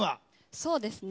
そうですね